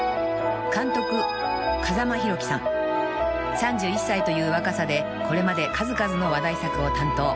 ［３１歳という若さでこれまで数々の話題作を担当］